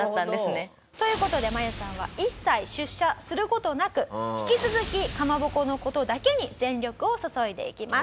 なるほど。という事でマユさんは一切出社する事なく引き続きかまぼこの事だけに全力を注いでいきます。